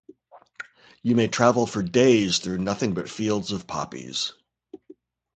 You may travel for days through nothing but fields of poppies.